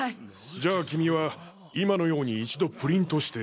じゃあ君は今のように一度プリントして。